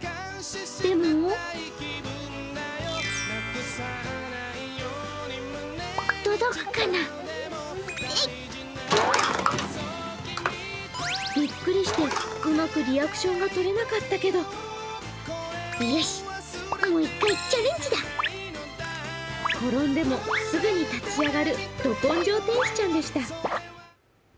でもびっくりしてうまくリアクションがとれなかったけど転んでも、すぐに立ち上がるど根性天使ちゃんでした。